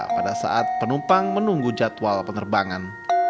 pada saat penumpang menunggu jadwal penerbangan